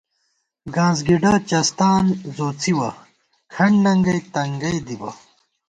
گانس گِڈہ چستان زوڅِوَہ ، کھٹ ننگئ تنگئ دِبہ